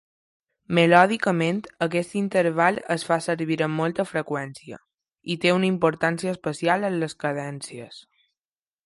Melòdicament, aquest interval es fa servir amb molta freqüència, i té una importància especial en les cadències.